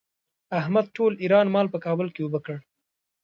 احمد ټول ايران مال په کابل کې اوبه کړ.